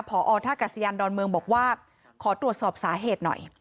พอท่ากัศยานดอนเมืองบอกว่าขอตรวจสอบสาเหตุหน่อย